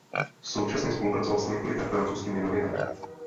Současně spolupracoval s několika francouzskými novinami.